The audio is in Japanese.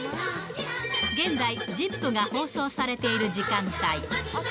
現在、ＺＩＰ！が放送されている時間帯。